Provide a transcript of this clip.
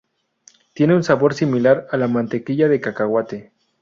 Tiene un sabor similar a la mantequilla de cacahuete.